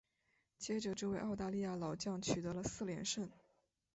接着这位澳大利亚老将取得了四连胜。